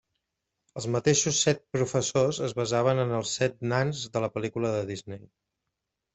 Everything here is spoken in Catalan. Els mateixos set professors es basaven en els set nans de la pel·lícula de Disney.